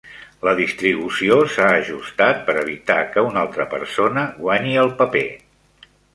La distribució s'ha ajustat per evitar que una altra persona guanyi el paper.